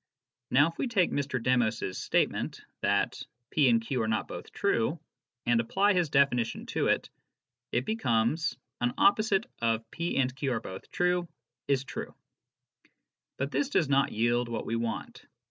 Now if we take Mr. Demos's statement that "p and q are not both true " and apply his definition to it, it becomes " an opposite of ' p and q are both true ' is true." But this does not yield what we want.